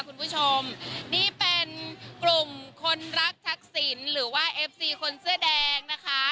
คุณผู้ชมนี่เป็นกลุ่มคนรักทักษิณหรือว่าเอฟซีคนเสื้อแดงนะคะ